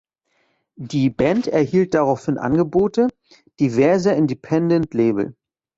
Die Band erhielt daraufhin Angebote diverser Independent-Label.